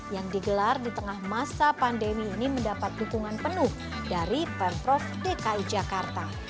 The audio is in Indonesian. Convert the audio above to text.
yang digelar di tengah masa pandemi ini mendapat dukungan penuh dari pemprov dki jakarta